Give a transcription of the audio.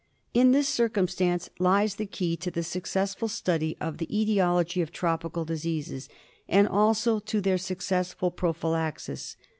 In this circum stance lies the key to the successful study of the etiology of tropical diseases, and also to their successful prophy laxis.